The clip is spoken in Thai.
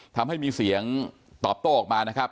ทำให้มีเสียงตอบโต้ออกมานะครับ